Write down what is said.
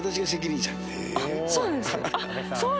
そうなんですね！